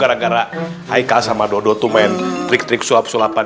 gara gara haika sama dodo tuh main trik trik suap sulapan